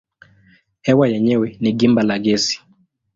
Hewa yenyewe ni gimba la gesi.